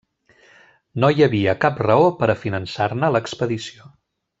No hi havia cap raó per a finançar-ne l'expedició.